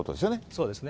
そうですね。